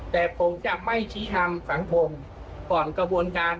แต่ผมจะไม่ชี้ทางสังคมก่อนกระบวนการ